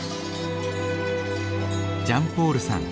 ジャンポールさん。